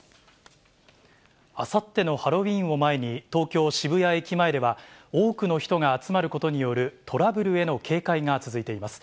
あさってのハロウィーンを前に、東京・渋谷駅前では、多くの人が集まることによるトラブルへの警戒が続いています。